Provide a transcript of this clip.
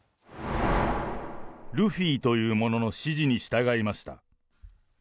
ルフィという者の指示に従いました。